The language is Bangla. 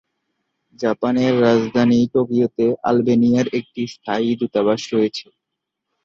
জাপানের রাজধানী টোকিওতে আলবেনিয়ার একটি স্থায়ী দূতাবাস রয়েছে।